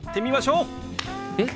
えっ？